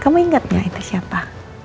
kau ingatnya itu siapa